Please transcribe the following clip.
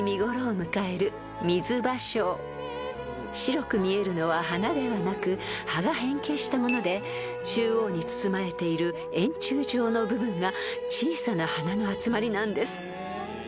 ［白く見えるのは花ではなく葉が変形したもので中央に包まれている円柱状の部分が小さな花の集まりなんです］